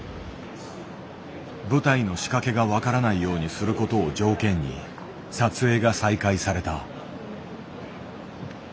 舞台の仕掛けが分からないようにすることを条件に撮影が再開された。